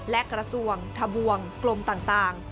และกระทรวงทะบวงกลมต่าง